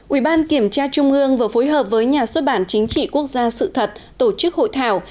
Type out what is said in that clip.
ủy ban kiểm tra trung ương vừa phối hợp với nhà xuất bản chính trị quốc gia sự thật tổ chức hội thảo